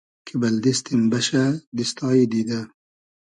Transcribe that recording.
کی بئل دیستیم بئشۂ دیستای دیدۂ